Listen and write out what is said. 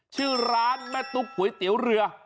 ชื่อร้านแม่ตุ๊กก๋วยเตี๋ยวเรือ